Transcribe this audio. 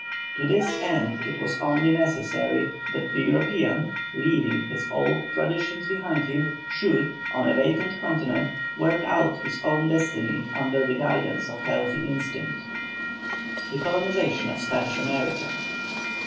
To this end it was only necessary that the European, leaving his old traditions behind him, should, on a vacant continent, work out his own destiny under the guidance of healthy instinct. THE COLONIZATION OF SPANISH AMERICA.